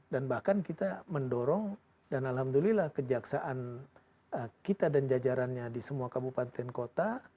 bahkan kita mendorong dan alhamdulillah kejaksaan kita dan jajarannya di semua kabupaten kota